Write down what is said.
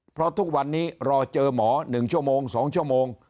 เพราะทุกวันนี้รอเจอหมอ๑ชั่วโมง๒ชั่วโมง